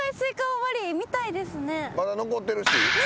まだ残ってるし。